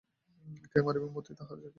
কে মারিবে মতি তাহার কী জানে?